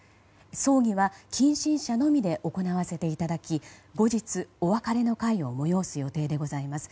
葬儀は近親者のみで行わせていただき後日、お別れの会を催す予定でございます。